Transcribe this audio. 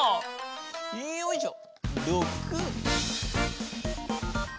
よいしょ！